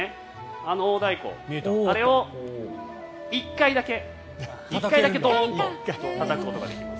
あの大太鼓、あれを１回だけボーンとたたくことができます。